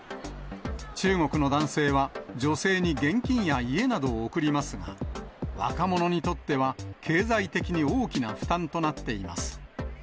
中国の男性は女性に現金や家などを贈りますが、若者にとっては、経済的に大きな負担となっています。